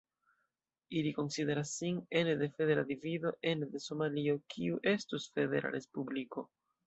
Ili konsideras sin ene de federa divido ene de Somalio kiu estus federa respubliko.